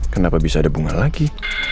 kenapa bisa ada bunga lagi